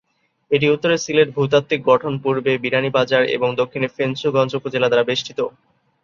এটি উত্তরে সিলেট ভূতাত্ত্বিক গঠন, পূর্বে বিয়ানীবাজার এবং দক্ষিণে ফেঞ্চুগঞ্জ উপজেলা দ্বারা বেষ্টিত।